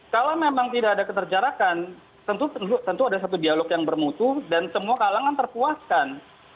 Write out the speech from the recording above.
kalau memang tidak ada keterjarakan tentu ada satu dialog yang bermutu dan semua kalangan terpuaskan